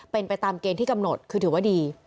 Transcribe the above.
เป็นไปตามเกณฑ์ที่กำหนดคือถือว่าดี